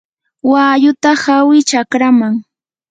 walluta hawi chakraman.